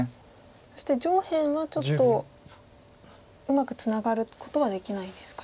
そして上辺はちょっとうまくツナがることはできないですか。